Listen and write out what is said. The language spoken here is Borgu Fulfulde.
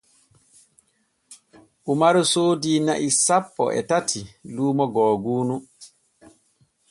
Umaru soodi na'i sanpo e tati luumo googuunu.